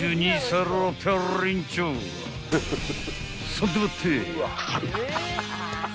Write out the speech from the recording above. ［そんでもって］